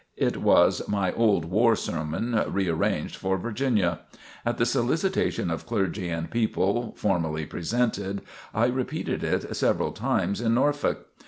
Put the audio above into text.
It was my "old war sermon," rearranged for Virginia. At the solicitation of clergy and people formally presented, I repeated it several times in Norfolk.